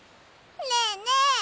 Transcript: ねえねえ